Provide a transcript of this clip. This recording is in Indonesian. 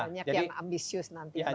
banyak yang ambisius nanti